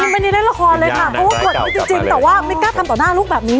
มันไม่ได้เล่นละครเลยค่ะจริงแต่ว่าไม่กล้าทำต่อหน้าลูกแบบนี้